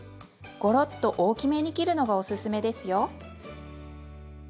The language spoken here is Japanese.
ごろっと大きめに切るのがおすすめですよ。